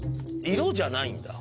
色じゃないんだ。